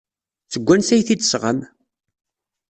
Seg wansi ay t-id-tesɣam?